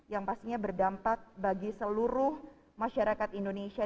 yang pastinya berdampak bagi seluruh masyarakat indonesia